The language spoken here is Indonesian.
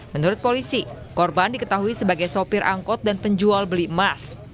menurut polisi korban diketahui sebagai sopir angkot dan penjual beli emas